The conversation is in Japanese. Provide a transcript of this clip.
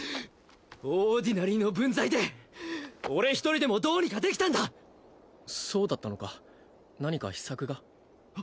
オーディナリーの分際で俺一人でもどうにかできたんだそうだったのか何か秘策が？